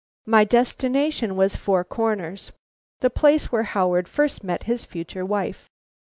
"My destination was Four Corners, the place where Howard first met his future wife.